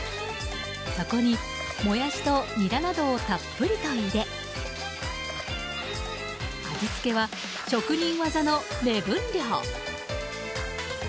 そこに、モヤシやニラなどをたっぷりと入れ味付けは職人技の目分量。